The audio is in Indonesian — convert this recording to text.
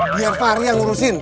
biar fahri yang ngurusin